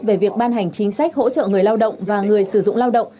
về việc ban hành chính sách hỗ trợ người lao động và người sử dụng lao động